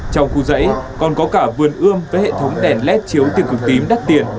trong khu dãy còn có cả vườn ươm với hệ thống đèn led chiếu tiêu cực tím đắt tiền